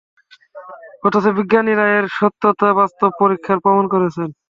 অথচ বিজ্ঞানীরা এর সত্যতা বাস্তব পরীক্ষায় প্রমাণ করেছেন।